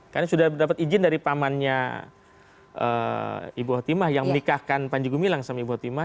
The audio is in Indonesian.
karena sudah mendapat izin dari pamannya ibu hotima yang menikahkan panjago milang sama ibu hotima